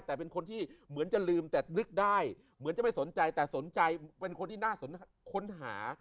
แต่เป็นคนที่เหมือนจะลืมแต่นึกได้เหมือนจะไม่สนใจแต่สนใจเป็นคนที่น่าค้นหา